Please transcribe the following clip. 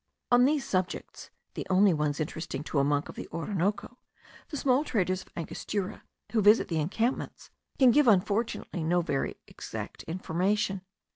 On these subjects, (the only ones interesting to a monk of the Orinoco), the small traders of Angostura, who visit the encampments, can give, unfortunately, no very exact information.